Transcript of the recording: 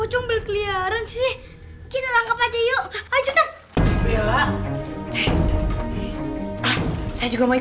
hei pak rete jangan